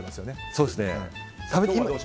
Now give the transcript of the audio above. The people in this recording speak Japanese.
そうですね。